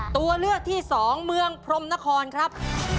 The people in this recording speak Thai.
ตัวเลือกที่สองเมืองพรมนครครับ